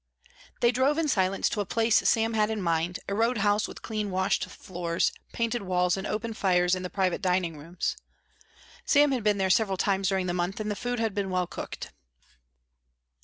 They drove in silence to a place Sam had in mind, a road house with clean washed floors, painted walls, and open fires in the private dining rooms. Sam had been there several times during the month, and the food had been well cooked.